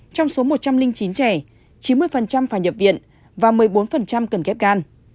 trong số một trăm linh chín trẻ chín mươi phải nhập viện và một mươi bốn cần ghép gan